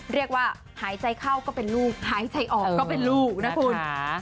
หายใจเข้าก็เป็นลูกหายใจออกก็เป็นลูกนะคุณ